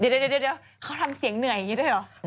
เดี๋ยวเขาทำเสียงเหนื่อยอย่างนี้ด้วยเหรอ